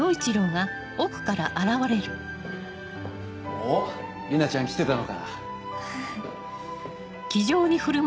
おっ莉奈ちゃん来てたのか。